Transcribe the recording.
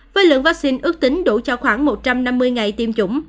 với lượng vắc xin ước tính đủ cho khoảng một trăm năm mươi ngày tiêm chủng